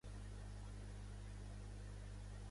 Pertany al moviment independentista la Silvana?